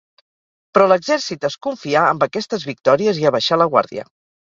Però l'exèrcit es confià amb aquestes victòries i abaixà la guàrdia.